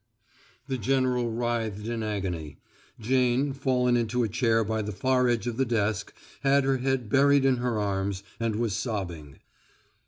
The general writhed in agony. Jane, fallen into a chair by the far edge of the desk, had her head buried in her arms, and was sobbing.